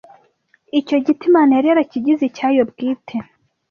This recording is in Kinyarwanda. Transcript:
Icyo giti Imana yari yarakigize icyayo bwite